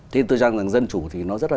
thế tôi cho rằng dân chủ thì nó rất là